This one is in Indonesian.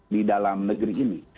di dalam negeri ini